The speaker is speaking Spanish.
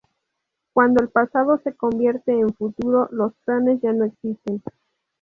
Cuando el pasado se convierte en futuro, los planes ya no existen.